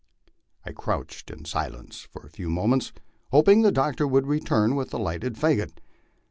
I crouched in silence for a few moments, hoping the doctor would return with the lighted fagot.